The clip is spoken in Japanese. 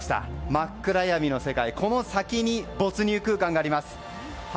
真っ暗闇の世界この先に没入空間があります。